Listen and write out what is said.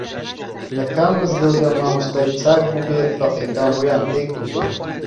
لە کام مزگەوتدا مامۆستای چاک بووبێ فەقێکان ڕوویان تێکردووە